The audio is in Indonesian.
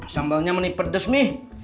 sambelnya mana pedes mih